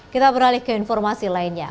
kita beralih ke informasi lainnya